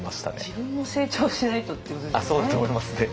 自分も成長しないとっていうことですよね。